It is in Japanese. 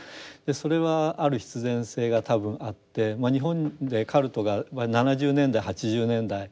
それはある必然性が多分あって日本でカルトが７０年代８０年代盛んに布教を始めていく。